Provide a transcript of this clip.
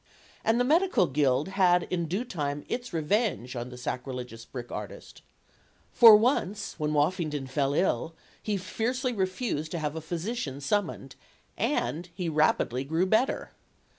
And the medical guild had in due time its revenge on the sacrilegious brick artist. For once, when Woffington fell ill, he fiercely refused to have a physi cian summoned. And he rapidly grew better.